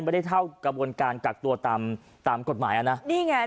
เท่ากระบวนการกักตัวตามตามกฎหมายอ่ะนะนี่ไง